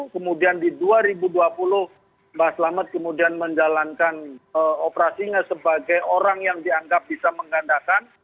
kemudian di dua ribu dua puluh mbak selamat kemudian menjalankan operasinya sebagai orang yang dianggap bisa menggandakan